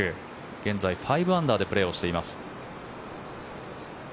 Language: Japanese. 現在５アンダーでプレーをしています。